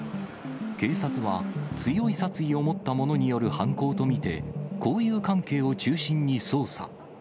警察は、強い殺意を持った者による犯行と見て、交友関係を中心に捜査。